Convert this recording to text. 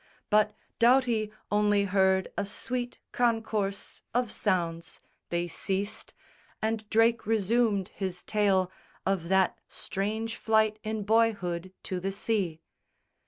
But Doughty only heard a sweet concourse Of sounds. They ceased. And Drake resumed his tale Of that strange flight in boyhood to the sea.